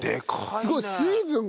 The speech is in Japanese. すごい。